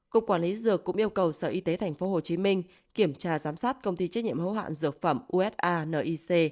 cục quản lý dược cũng yêu cầu sở y tế tp hcm kiểm tra giám sát công ty trách nhiệm hỗ hạn dược phẩm usanic